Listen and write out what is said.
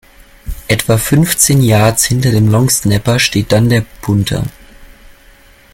Etwa fünfzehn Yards hinter dem Long Snapper steht dann der Punter.